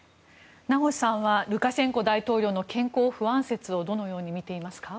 名越さんはルカシェンコ大統領の健康不安説をどのように見ていますか。